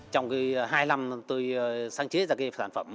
trong hai năm tôi sáng chế ra cái sản phẩm